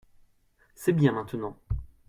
C’est bien maintenant.